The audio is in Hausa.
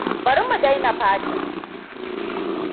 Bari mu daina fatin.